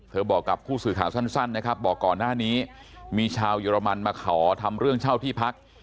บอกกับผู้สื่อข่าวสั้นนะครับบอกก่อนหน้านี้มีชาวเยอรมันมาขอทำเรื่องเช่าที่พัก